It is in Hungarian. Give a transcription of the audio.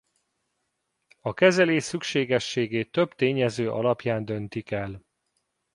A kezelés szükségességét több tényező alapján döntik el.